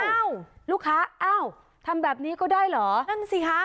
อ้าวลูกค้าอ้าวทำแบบนี้ก็ได้เหรอ